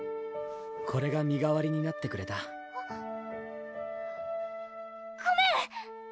これが身代わりになってくれたごめん！